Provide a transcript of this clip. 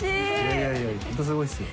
いやいや本当すごいですよ。